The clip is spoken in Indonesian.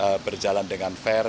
semua bisa berjalan dengan fair